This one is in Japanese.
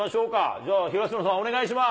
じゃあ東野さん、お願いします。